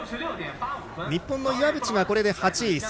日本の岩渕が８位。